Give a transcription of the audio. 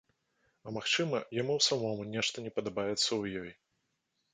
А магчыма, яму самому нешта не падабаецца ў ёй.